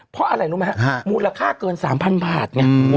เพราะอะไรรู้ไหมฮะมูลค่าเกิน๓๐๐๐บาทไง